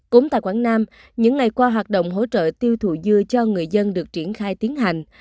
cũng tại quảng nam những ngày qua hoạt động hỗ trợ tiêu thụ dưa cho người dân được triển khai tiến hành